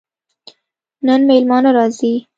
نن مېلمانه راځي